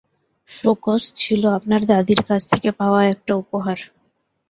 সোকস ছিলো আপনার দাদীর কাছ থেকে পাওয়া একটা উপহার।